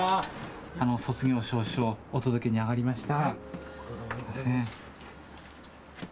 卒業証書、お届けにあがりました。